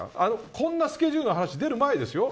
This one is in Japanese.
こんなスケジュールの話が出る前ですよ。